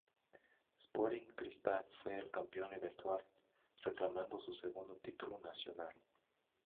Sporting Cristal fue el campeón eventual, reclamando su segundo título nacional.